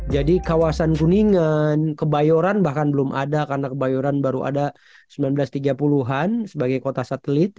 jadi kawasan kuningan kebayoran bahkan belum ada karena kebayoran baru ada seribu sembilan ratus tiga puluh an sebagai kota satelit